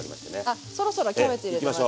あっそろそろキャベツ入れてもらって。